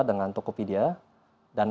dengan tokopedia dan